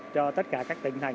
cho tất cả các tỉnh thành